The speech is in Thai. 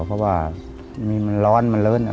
เพราะว่ามันร้อนมันลื้น